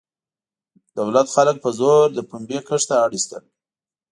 دولت خلک په زور د پنبې کښت ته اړ ایستل.